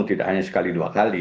tidak hanya sekali dua kali